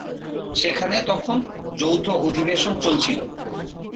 সেখানে তখন যৌথ অধিবেশন চলছিল।